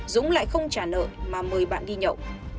dũng lại không trả nợ mà mời bạn đi nhậu